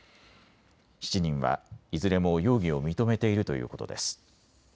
７人はいずれも容疑を認めているということです。